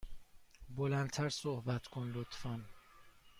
بلند تر صحبت کن، لطفا.